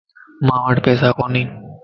مان وٽ پيساڪونين